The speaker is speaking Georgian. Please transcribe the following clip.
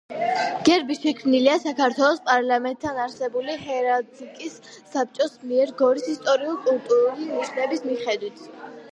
გერბი შექმნილია საქართველოს პარლამენტთან არსებული ჰერალდიკის საბჭოს მიერ გორის ისტორიულ-კულტურული ნიშნების მიხედვით.